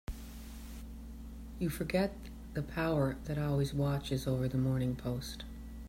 You forget the power that always watches over the Morning Post.